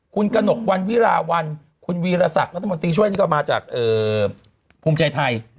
คุณกระหนกวันวิราวันคุณวีรศักดิ์รัฐมนตรีช่วยนี่ก็มาจากภูมิใจไทย